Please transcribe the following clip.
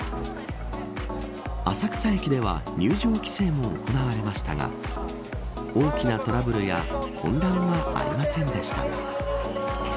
浅草駅では入場規制も行われましたが大きなトラブルや混乱はありませんでした。